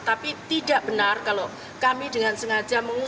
tapi tidak benar kalau kami dengan sengaja mengungkap